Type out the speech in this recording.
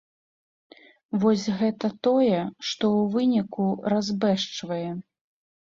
Вось гэта тое, што ў выніку разбэшчвае.